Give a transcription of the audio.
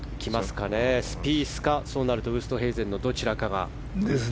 スピースかウーストヘイゼンのどちらかが。